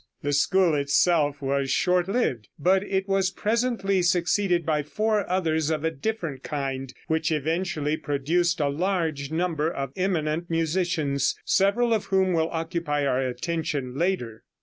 The school itself was short lived, but it was presently succeeded by four others of a different kind which eventually produced a large number of eminent musicians, several of whom will occupy our attention later.